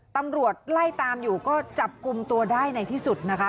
ตำรวจไล่ตามอยู่ก็จับกลุ่มตัวได้ในที่สุดนะคะ